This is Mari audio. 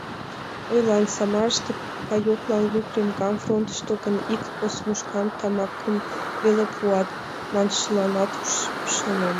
Ойлан: Самарыште паёклан лу кремгам, фронтышто гын ик осмушка тамакым веле пуат маншыланат ӱшанен.